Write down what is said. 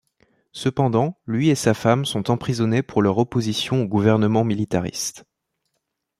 Cependant, lui et sa femme sont emprisonnés pour leur opposition au gouvernement militariste.